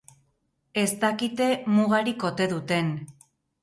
Ez dakite mugarik ote duten.